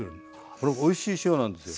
これおいしい塩なんですよ。